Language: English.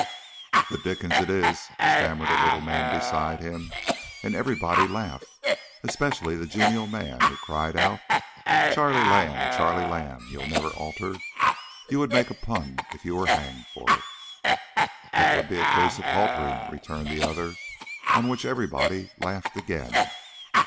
"The Dickens it is!" stammered a little man beside him, and everybody laughed, especially the genial man, who cried out, "Charley Lamb, Charley Lamb, you'll never alter. You would make a pun if you were hanged for it." "That would be a case of haltering," returned the other, on which everybody laughed again.